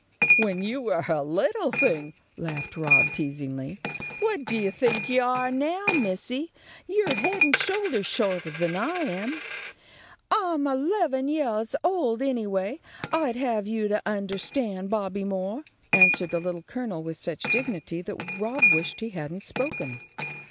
"When you were a little thing!" laughed Rob, teasingly. "What do you think you are now, missy? You're head and shoulders shorter than I am." "I'm eleven yeahs old, anyway, I'd have you to undahstand, Bobby Moore," answered the Little Colonel, with such dignity that Rob wished he hadn't spoken.